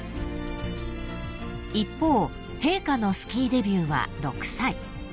［一方陛下のスキーデビューは６歳］